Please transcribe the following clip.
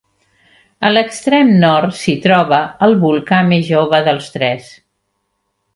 A l'extrem nord s'hi troba el volcà més jove dels tres.